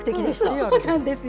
そうなんですよ。